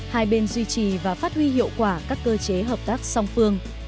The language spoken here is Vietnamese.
hai bên duy trì và phát huy hiệu quả các cơ chế hợp tác song phương